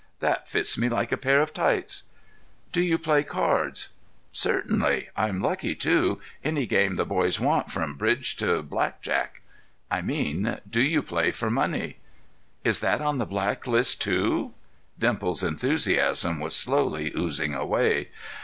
That fits me like a pair of tights." "Do you play cards?" "Certainly. I'm lucky, too. Any game the boys want, from bridge to black jack." "I mean—do you play for money?" "Is that on the black list, too?" Dimples's enthusiasm was slowly oozing away.